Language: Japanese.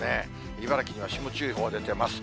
茨城には霜注意報が出ています。